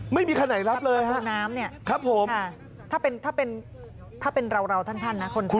ไม่มีคันไหนรับเลยฮะครับผมถ้าเป็นเราท่านนะคนไทย